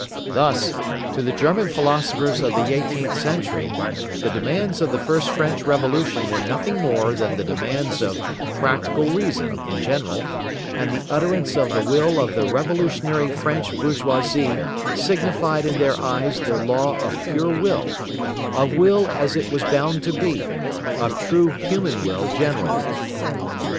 Thus, to the German philosophers of the eighteenth century, the demands of the first French Revolution were nothing more than the demands of "Practical Reason" in general, and the utterance of the will of the revolutionary French bourgeoisie signified in their eyes the law of pure Will, of Will as it was bound to be, of true human Will generally.